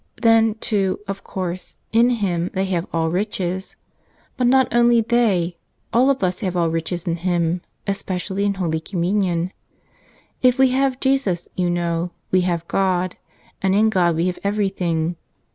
Then, too, of course, in Him they have all riches. But not only they ; all of us have all riches in Him, especially in Holy Communion. If we have Jesus, you know, we have God; and in God we have everything.